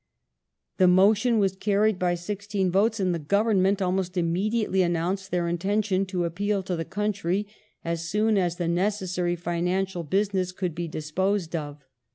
The motion was carried by sixteen votes, and the Government almost immediately announced their intention to appeal to the country as soon as the necessary financial business could be disposed of.